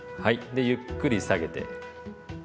でゆっくり下げて。